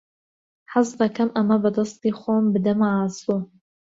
حەز دەکەم ئەمە بە دەستی خۆم بدەمە ئاسۆ.